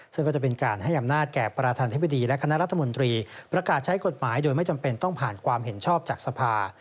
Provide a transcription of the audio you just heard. ซึ่งก็จะเป็นการให้อำนาจแก่ประธานธิบดีและคณะรัฐมนตรีประกาศใช้กฎหมายโดยไม่จำเป็นต้องผ่านความเห็นชอบจากสภา